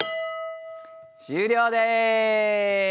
終了です！